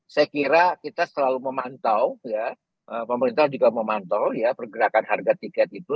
saya kira kita selalu memantau ya pemerintah juga memantau ya pergerakan harga tiket itu